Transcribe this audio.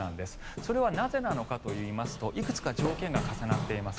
それはなぜなのかといいますといくつか条件が重なっています。